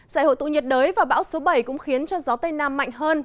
giải hội tụ nhiệt đới và bão số bảy cũng khiến cho gió tây nam mạnh hơn